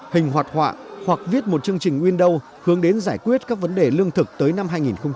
hình hoạt họa hoặc viết một chương trình windows hướng đến giải quyết các vấn đề lương thực tới năm hai nghìn ba mươi